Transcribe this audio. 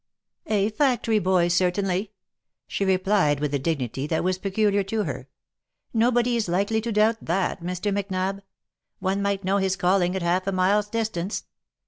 " A factory boy, certainly," she replied with the dignity that was peculiar to her, " nobody is likely to doubt that, Mr. Macnab ; one might know his calling at half a mile's distance.